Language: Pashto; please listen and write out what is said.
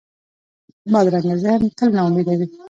بدرنګه ذهن تل ناامیده وي